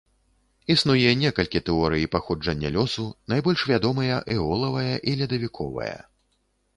Існуе некалькі тэорый паходжання лёсу, найбольш вядомыя эолавая і ледавіковая.